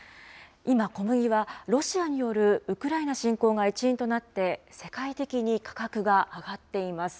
今、小麦はロシアによるウクライナ侵攻が一因となって、世界的に価格が上がっています。